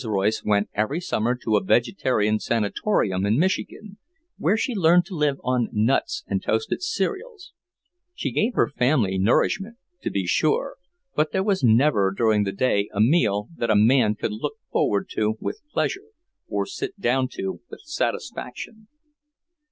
Royce went every summer to a vegetarian sanatorium in Michigan, where she learned to live on nuts and toasted cereals. She gave her family nourishment, to be sure, but there was never during the day a meal that a man could look forward to with pleasure, or sit down to with satisfaction.